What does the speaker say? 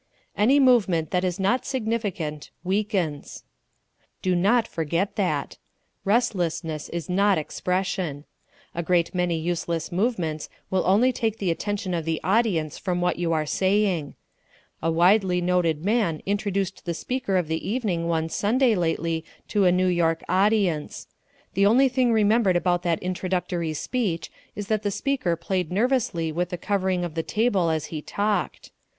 Any Movement that is not Significant, Weakens Do not forget that. Restlessness is not expression. A great many useless movements will only take the attention of the audience from what you are saying. A widely noted man introduced the speaker of the evening one Sunday lately to a New York audience. The only thing remembered about that introductory speech is that the speaker played nervously with the covering of the table as he talked.